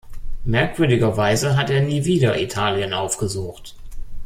Merkwürdigerweise hat er nie wieder Italien aufgesucht.